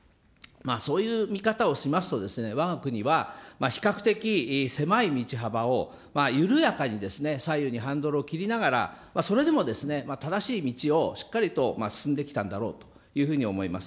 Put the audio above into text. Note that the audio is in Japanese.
そういう見方をしますとですね、わが国は比較的、狭い道幅を緩やかに左右にハンドルを切りながら、それでも正しい道をしっかりと進んできたんだろうというふうに思います。